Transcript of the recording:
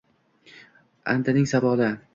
Andining savoli: